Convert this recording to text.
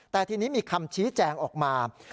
แต่ทีนี้มีคำชี้แจงออกมา